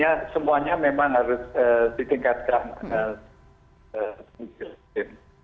ya semuanya memang harus ditingkatkan